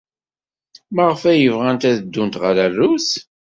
Maɣef ay bɣant ad ddunt ɣer Rrus?